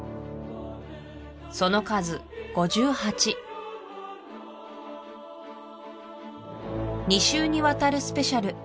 その数５８２週にわたるスペシャル